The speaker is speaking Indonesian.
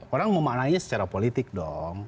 orang memaknainya secara politik dong